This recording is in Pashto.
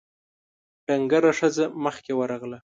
ډنګره ښځه مخکې ورغله: